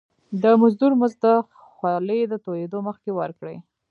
د مزدور مزد د خولي د تويدو مخکي ورکړی.